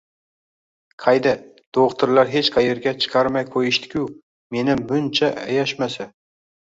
— Qayda. Do‘xtirlar hech qayerga chiqarmay qo‘yishdi-ku! Meni muncha ayashmasa!